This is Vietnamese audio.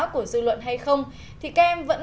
của dư luận hay không thì các em vẫn